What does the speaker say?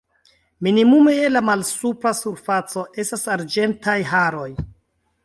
Minimume je la malsupra surfaco estas arĝentaj haroj.